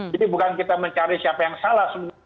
jadi bukan kita mencari siapa yang salah sebenarnya